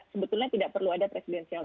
sebetulnya tidak perlu ada presidensial